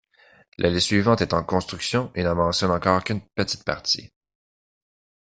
La liste suivante est en construction et n'en mentionne encore qu'une petite partie.